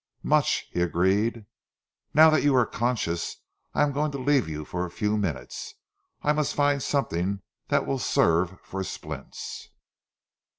"Much," he agreed. "Now that you are conscious I am going to leave you for a few minutes. I must find something that will serve for splints."